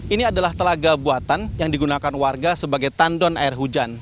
ini adalah telaga buatan yang digunakan warga sebagai tandon air hujan